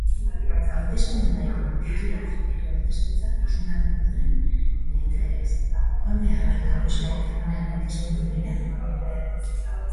Hauteskunde-mahaiko titular edo ordezkotzat izendatu ondoren nahitaez joan behar al da bozketa-egunean hauteskunde-mahaira?